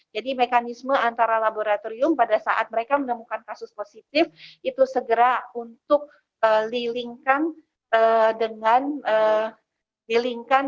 jadi mekanisme antara laboratorium pada saat mereka menemukan kasus positif itu segera untuk lilingkan